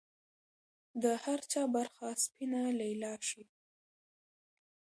د هر چا برخه سپینه لیلا شي